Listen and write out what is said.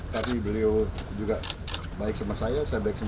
tapi beliau juga baik sama saya